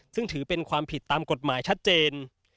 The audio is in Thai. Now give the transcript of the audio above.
ซึ่งถือเป็นความผิดตามกฎหมายชัดเจน